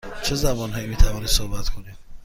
چه زبان هایی می توانید صحبت کنید؟